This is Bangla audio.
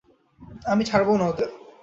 আমি ছাড়বো না ওদের!